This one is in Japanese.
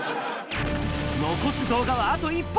残す動画はあと１本。